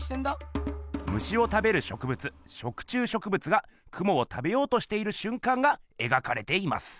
虫を食べる植物食虫植物がクモを食べようとしているしゅんかんが描かれています。